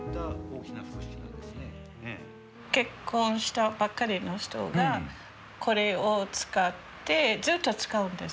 結婚したばっかりの人がこれを使ってずっと使うんですか？